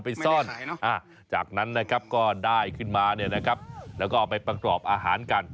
ไปซ่อนจากนั้นนะครับก็ได้ขึ้นมาเนี่ยนะครับแล้วก็เอาไปประกอบอาหารกัน